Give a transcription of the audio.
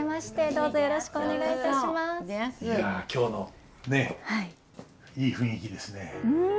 いや京のねいい雰囲気ですね。